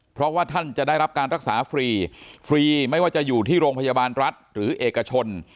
เพราะว่าท่านจะได้รับการรักษาฟรีฟรีไม่ว่าจะอยู่ที่โรงพยาบาลรัฐหรือเอกชน